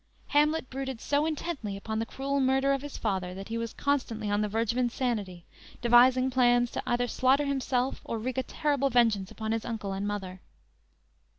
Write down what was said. Hamlet brooded so intently upon the cruel murder of his father that he was constantly on the verge of insanity, devising plans to either slaughter himself or wreak a terrible vengeance upon his uncle and mother.